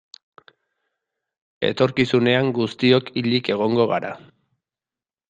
Etorkizunean guztiok hilik egongo gara.